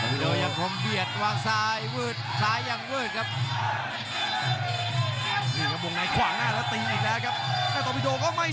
เห็นประสิทธิ์นำตัว